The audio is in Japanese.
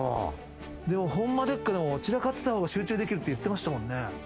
でも『ホンマでっか⁉』でも散らかってた方が集中できるって言ってましたもんね。